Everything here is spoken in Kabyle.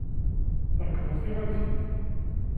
Trekbeḍ tiɣaltin.